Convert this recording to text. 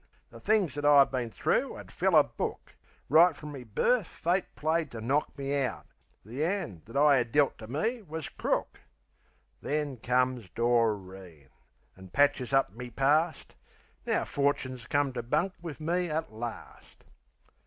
The things that I've been thro' 'ud fill a book. Right frum me birf Fate played to knock me out; The 'and that I 'ad dealt to me was crook! Then comes Doreen, an' patches up me parst; Now Forchin's come to bunk wiv me at larst.